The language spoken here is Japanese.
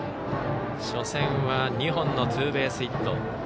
初戦は２本のツーベースヒット。